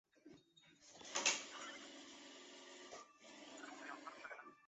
本列表为中华民国及中华人民共和国驻博茨瓦纳历任大使名录。